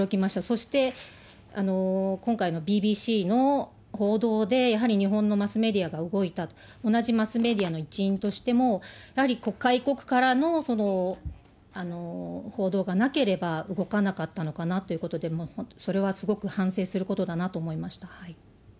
そして今回のＢＢＣの報道で、やはり日本のマスメディアが動いたと、同じマスメディアの一員としても、やはり外国からの報道がなければ動かなかったのかなということで、それはすごく反省することだなと思いました。